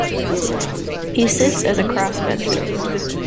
He sits as a Crossbencher.